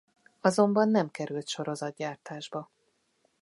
Azonban nem került sorozatgyártásba.